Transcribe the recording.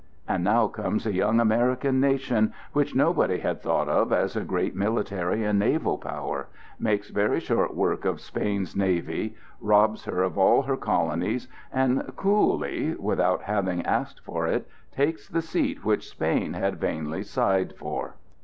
And now comes a young American nation which nobody had thought of as a great military and naval power, makes very short work of Spain's navy, robs her of all her colonies, and coolly, without having asked for it, takes the seat which Spain had vainly sighed for.